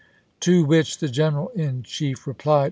To which the Greneral in Chief replied p.